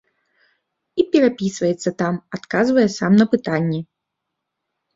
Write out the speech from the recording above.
І перапісваецца там, адказвае сам на пытанні.